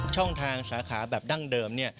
ช่องทางสาขาแบบดั้งเดิม